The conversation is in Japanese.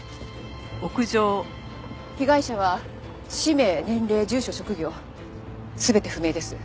被害者は氏名年齢住所職業全て不明です。